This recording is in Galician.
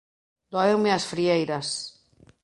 Dóenme as frieiras.